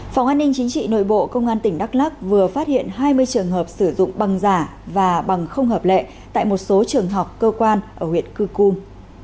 phòng an ninh chính trị nội bộ công an tỉnh đắk lắc vừa phát hiện hai mươi trường hợp sử dụng bằng giả và bằng không hợp lệ tại một số trường học cơ quan ở huyện cư cum